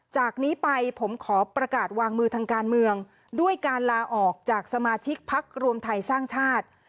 จากนี้ไปผมขอประกาศวางมือทางการเมืองด้วยการลาออกจากสมาชิกพักรวมไทยสร้างชาติ